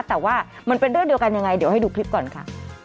แต่ว่ามันเป็นเรื่องเดียวกันยังไงเดี๋ยวให้ดูคลิปก่อนค่ะ